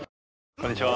こんにちは。